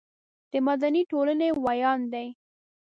د مدني ټولنې ویاند دی.